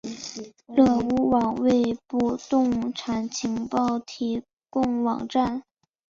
乐屋网为不动产情报提供网站。